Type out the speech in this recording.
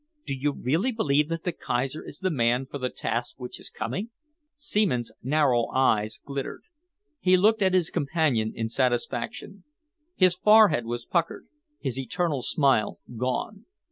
Do you really believe that the Kaiser is the man for the task which is coming?" Seaman's narrow eyes glittered. He looked at his companion in satisfaction. His forehead was puckered, his eternal smile gone.